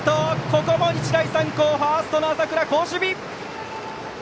ここも日大三高ファーストの浅倉、好守備！